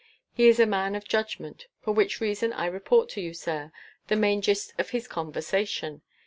He is a man of judgment, for which reason I report to you, sir, the main gist of his conversation.